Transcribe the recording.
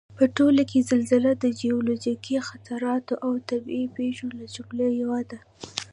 په ټوله کې زلزله د جیولوجیکي خطراتو او طبعي پېښو له جملې یوه ده